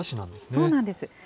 そうなんです。